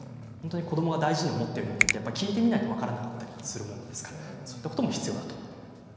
子どもが大事に思っているものは聞いてみないと分からなかったりするものですのでそういうことも必要ということです。